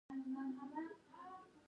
ایا له یوازیتوب ویریږئ؟